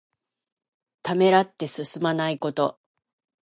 ためらって進まないこと。